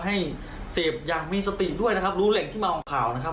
ให้เสพอย่างมีสติด้วยนะครับรู้เหล็กที่มาออกข่าวนะครับ